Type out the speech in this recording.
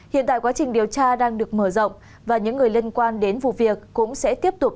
hiện tại quá trình điều tra đang được mở rộng và những người liên quan đến vụ việc cũng sẽ tiếp tục